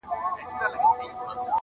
نن هغه سالار د بل په پښو كي پروت دئ-